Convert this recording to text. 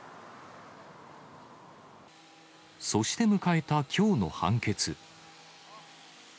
そして迎えたきょうの判決。